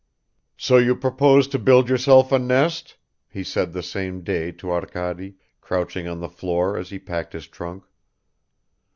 "So you propose to build yourself a nest?" he said the same day to Arkady, crouching on the floor as he packed his trunk.